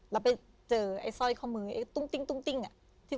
แล้วไปเจอไอ้ซ่อยข้อมือตุ๊มติ้งอย่างนี้